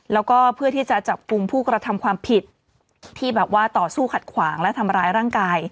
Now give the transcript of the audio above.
แล้วก็เพื่อที่จะจับกลุ่มผู้กระทำความผิดที่แบบว่าต่อสู้ขัดขวางและทำร้ายร่างกาย